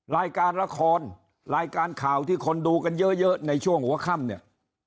รายการละครรายการข่าวที่คนดูกันเยอะในช่วงหัวค่ำเนี่ย